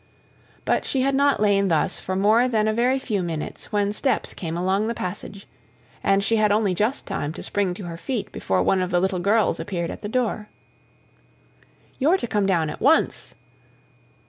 But she had not lain thus for more than a very few minutes when steps came along the passage; and she had only just time to spring to her feet before one of the little girls appeared at the door. "You're to come down at once."